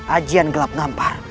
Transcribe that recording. ajian gelap nampar